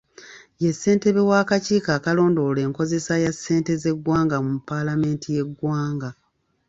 Ye ssentebe w'akakiiko akalondola enkozesa ya ssente z'eggwanga mu paalamenti y'eggwanga